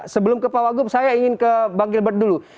sebelum ke pak wagub saya ingin ke bang gilbert dulu